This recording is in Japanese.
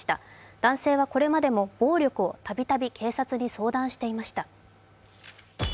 男性はこれまでも暴力をたびたび警察に相談していました。